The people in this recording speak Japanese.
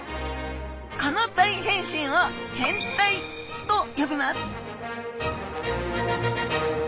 この大変身を変態と呼びます！